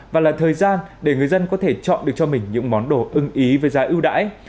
và là thời gian để người dân có thể chọn được cho mình những món đồ ưng ý với giá ưu đãi